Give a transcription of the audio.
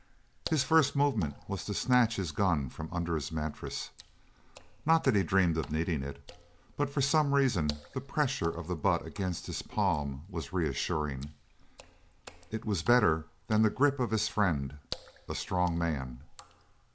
His first movement was to snatch his gun from under his mattress, not that he dreamed of needing it, but for some reason the pressure of the butt against his palm was reassuring. It was better than the grip of his friend a strong man.